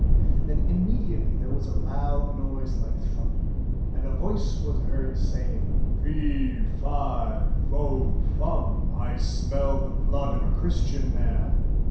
Then immediately there was a loud noise like thunder, and a voice was heard saying : "Fee, fo, fi, fum, I smell the blood of a Christian Man.